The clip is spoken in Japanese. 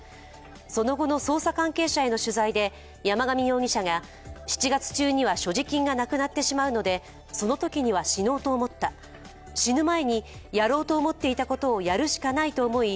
その後の捜査関係者への取材で山上容疑者が７月中には所持金がなくなってしまうのでそのときには死のうと思った死ぬ前にやろうと思っていたことをやるしかないと思い